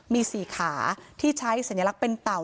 มี๔ขาที่ใช้สัญลักษณ์เป็นเต่า